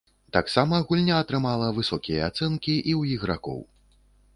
Таксама гульня атрымала высокія ацэнкі і ў ігракоў.